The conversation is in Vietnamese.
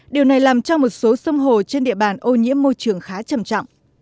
điều này làm cho một số sông hồ trên địa bàn ô nhiễm môi trường khá trầm trọng